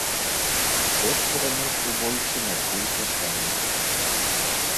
Хто ж перамог у бойцы, мяркуйце самі.